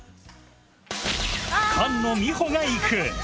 菅野美穂が行く！